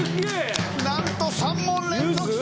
なんと３問連続正解！